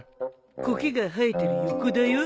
コケが生えてる横だよ。